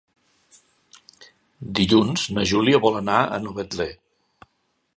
Dilluns na Júlia vol anar a Novetlè.